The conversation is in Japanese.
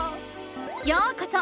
ようこそ！